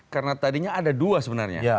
karena tadinya ada dua sebenarnya